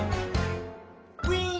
「ウィン！」